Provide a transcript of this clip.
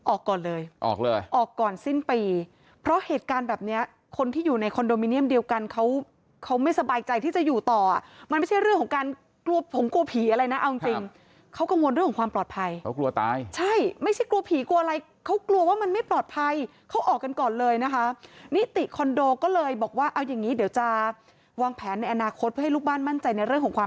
ออกก่อนเลยออกเลยออกก่อนสิ้นปีเพราะเหตุการณ์แบบเนี้ยคนที่อยู่ในคอนโดมิเนียมเดียวกันเขาเขาไม่สบายใจที่จะอยู่ต่ออ่ะมันไม่ใช่เรื่องของการกลัวผงกลัวผีอะไรนะเอาจริงจริงเขากังวลเรื่องของความปลอดภัยเขากลัวตายใช่ไม่ใช่กลัวผีกลัวอะไรเขากลัวว่ามันไม่ปลอดภัยเขาออกกันก่อนเลยนะคะนิติคอนโดก็เลยบอกว่าเอาอย่างงี้เดี๋ยวจะวางแผนในอนาคตเพื่อให้ลูกบ้านมั่นใจในเรื่องของความ